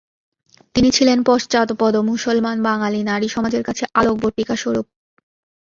তিনি ছিলেন পশ্চাৎপদ মুসলমান বাঙালি নারীসমাজের কাছে আলোকবর্তিকাস্বরূপ।